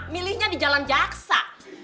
pilihnya di jalan jaksa